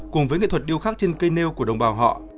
cùng với nghệ thuật điêu khắc trên cây nêu của đồng bào họ